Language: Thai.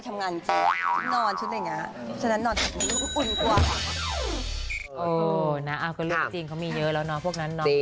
โอ้น่าเอาคือลูกจริงเขามีเยอะแล้วเนาะพวกนั้นเนาะ